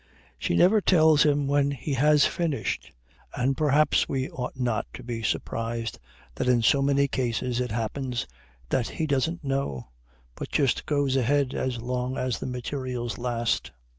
She never tells him when he has finished. And perhaps we ought not to be surprised that in so many cases it happens that he doesn't know, but just goes ahead as long as the materials last.